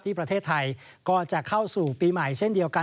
ประเทศไทยก็จะเข้าสู่ปีใหม่เช่นเดียวกัน